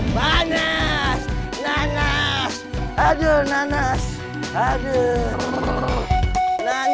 sang setengah delapan anggaran